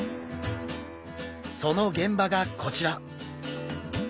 その現場がこちら！